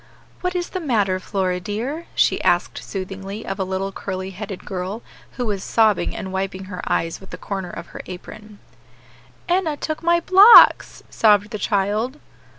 "What is the matter, Flora, dear?" she asked soothingly of a little curly headed girl, who was sobbing, and wiping her eyes with the corner of her apron. "Enna took my blocks," sobbed the child.